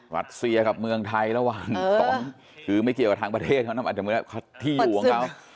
รัสเซียกับเมืองไทยระหว่างสองคือไม่เกี่ยวกับทางประเทศเขานะมันอาจจะเหมือนที่อยู่ของเขา